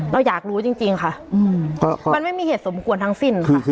เราอยากรู้จริงค่ะมันไม่มีเหตุสมควรทั้งสิ้นค่ะ